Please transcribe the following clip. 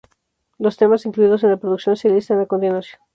Los temas incluidos en la producción se listan a continuación:.